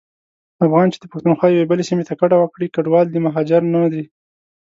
افغان چي د پښتونخوا یوې بلي سيمي ته کډه وکړي کډوال دی مهاجر نه.